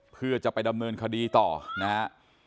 เพื่อจะไปดำเนินคดีต่อนะฮะ